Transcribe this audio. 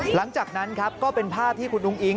หลังจากนั้นครับก็เป็นภาพที่คุณอุ้งอิง